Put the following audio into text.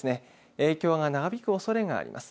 影響が長引くおそれがあります。